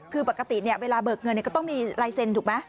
คือปกติเวลาเบิกเงินก็ต้องมีลายเซ็นถูกไหม